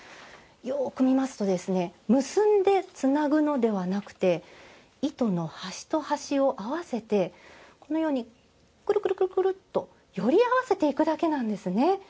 よく見ますと結んでつなぐのではなくて糸の端と端を合わせてくるくるっとより合わせていくだけなんです。